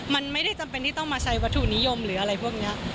มันไม่ได้จำเป็นที่ต้องมาใช้วัตถุนิยมหรืออะไรพวกนี้